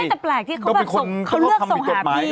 ไม่แต่แปลกที่เขาเลือกส่งหาพี่